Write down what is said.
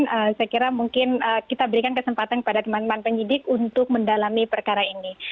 saya kira mungkin kita berikan kesempatan kepada teman teman penyidik untuk mendalami perkara ini